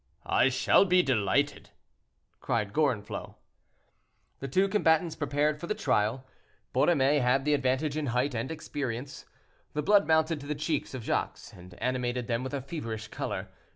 "I shall be delighted," cried Gorenflot. The two combatants prepared for the trial. Borromée had the advantage in height and experience. The blood mounted to the cheeks of Jacques and animated them with a feverish color.